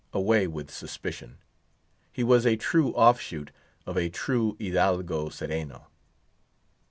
Away with suspicion. He was a true off shoot of a true hidalgo Cereno.